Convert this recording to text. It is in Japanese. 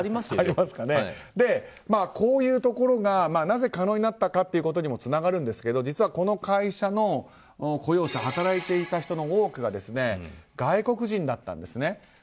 こういうところがなぜ可能になったかというところにもつながるんですがこの会社の雇用者働いていた人の多くが外国人だったんですね。